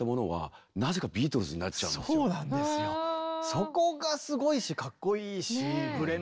そこがすごいしかっこいいしブレないし。